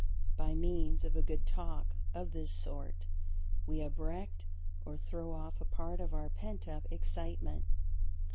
By means of a good talk of this sort, we "abreact," or throw off a part of our pent up excitement.